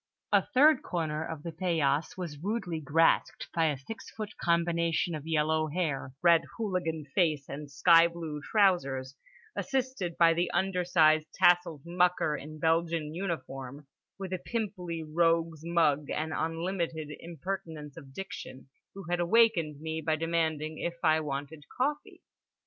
A third corner of the paillasse was rudely grasped by a six foot combination of yellow hair, red hooligan face, and sky blue trousers; assisted by the undersized tasseled mucker in Belgian uniform, with a pimply rogue's mug and unlimited impertinence of diction, who had awakened me by demanding if I wanted coffee.